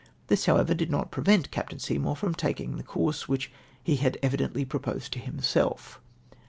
This, however, did not prevent Captain Seymour from taking tlie course Yvhich he had evidently proposed to himself.